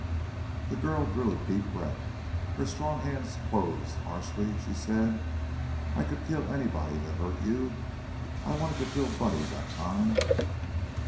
The girl drew a deep breath, her strong hands closed, harshly she said: "I could kill anybody that hurt you. I wanted to kill Buddy that time.